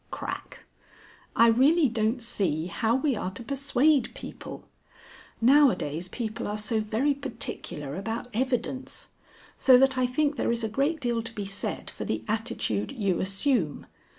(Crack). I really don't see how we are to persuade people. Nowadays people are so very particular about evidence. So that I think there is a great deal to be said for the attitude you assume.